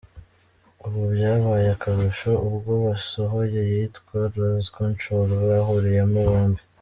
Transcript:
Ubu byabaye akarusho ubwo basohoye iyitwa ‘Lose Control’ bahuriyemo bombi.